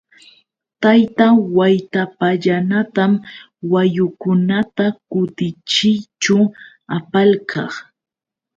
Tayta Waytapallanatam wayukunata kutichiyćhu apalqaa.